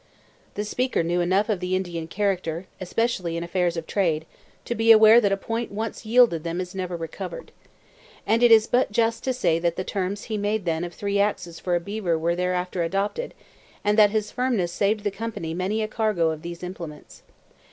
The speaker knew enough of the Indian character, especially in affairs of trade, to be aware that a point once yielded them is never recovered. And it is but just to say that the terms he then made of three axes for a beaver were thereafter adopted, and that his firmness saved the Company many a cargo of these implements.